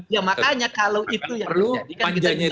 ya makanya kalau itu yang terjadi kan kita bisa mempengaruhi koreksi